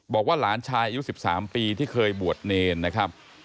บอกว่าหลานชายอายุ๑๓ปีที่เคยบวชเนรนะครับ